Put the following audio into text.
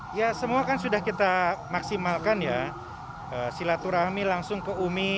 bima arya mengatakan bahwa kebohongan ini tidak ada tekanan dari manapun terkait kasus usaha palsu